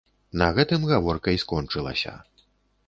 На гэтым гаворка і скончылася.